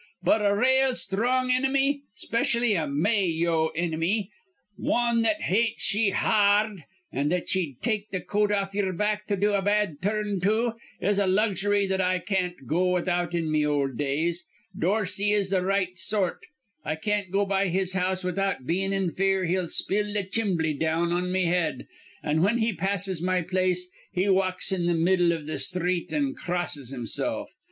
But a rale sthrong inimy, specially a May o inimy, wan that hates ye ha ard, an' that ye'd take th' coat off yer back to do a bad tur rn to, is a luxury that I can't go without in me ol' days. Dorsey is th' right sort. I can't go by his house without bein' in fear he'll spill th' chimbly down on me head; an', whin he passes my place, he walks in th' middle iv th' sthreet, an' crosses himsilf.